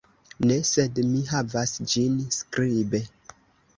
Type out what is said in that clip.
Ne, sed mi havas ĝin skribe.